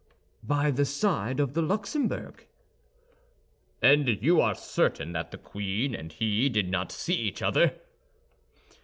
"By the side of the Luxembourg." "And you are certain that the queen and he did not see each other?"